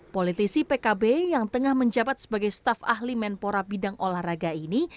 politisi pkb yang tengah menjabat sebagai staf ahli menpora bidang olahraga ini